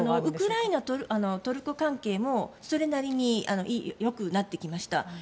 ウクライナ・トルコ関係もそれなりによくなってきました。